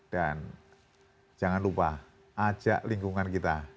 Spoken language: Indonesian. dan jangan lupa ajak lingkungan kita